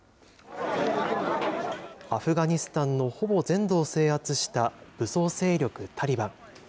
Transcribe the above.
アフガニスタンのほぼ全土を制圧した武装勢力タリバン。